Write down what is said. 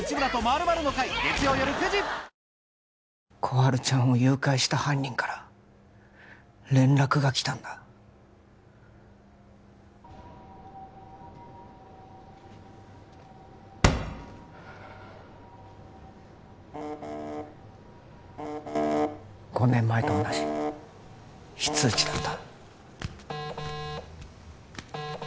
春ちゃんを誘拐した犯人から連絡が来たんだはあっ５年前と同じ非通知だった